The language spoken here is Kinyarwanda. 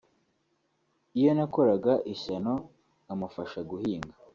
Iyo nakoraga ishyano nkamufasha guhinga